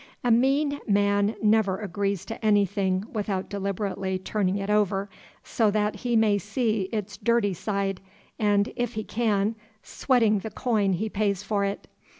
A mean man never agrees to anything without deliberately turning it over, so that he may see its dirty side, and, if he can, sweating the coin he pays for it.